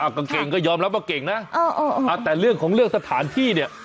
กางเกงก็ยอมรับว่าเก่งนะแต่เรื่องของเรื่องสถานที่เนี่ย